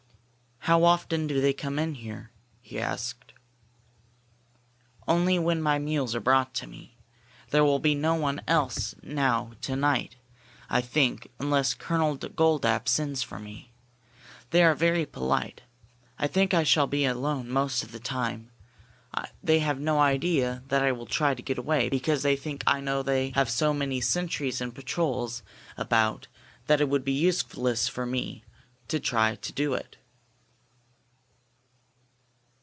"How often do they come in here?" he asked. "Only when my meals are brought to me. There will be no one else now to night, I think, unless Colonel Goldapp sends for me. They are very polite. I think I shall be alone most of the time. They have no idea that I will try to get away, because they think I know they have so many sentries and patrols about that it would be useless for me to try to do it."